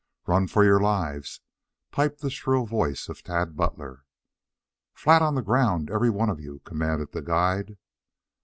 "Run for your lives!" piped the shrill voice of Tad Butler. "Flat on the ground, every one of you!" commanded the guide.